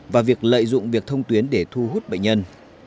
và việc lợi dụng việc thông tuyến để thu hút bệnh nhân